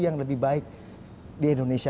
yang lebih baik di indonesia